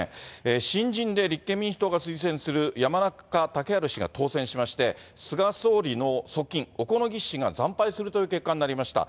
新人で立憲民主党が推薦する山中竹春氏が当選しまして、菅総理の側近、小此木氏が惨敗するという結果になりました。